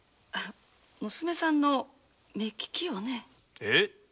娘さんの目利きをね。えっ！？